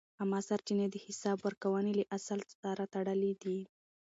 عامه سرچینې د حساب ورکونې له اصل سره تړلې دي.